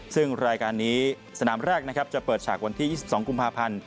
ซึ่งรายการนี้สนามแรกนะครับจะเปิดฉากวันที่๒๒กุมภาพันธ์